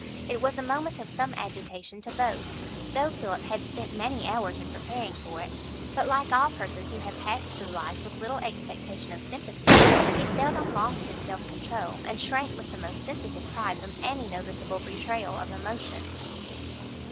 It was a moment of some agitation to both, though Philip had spent many hours in preparing for it; but like all persons who have passed through life with little expectation of sympathy, he seldom lost his self control, and shrank with the most sensitive pride from any noticeable betrayal of emotion.